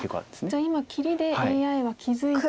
じゃあ今切りでＡＩは気付いて。